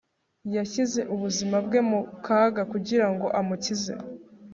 yashyize ubuzima bwe mu kaga kugira ngo amukize